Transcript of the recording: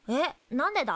なんでだ？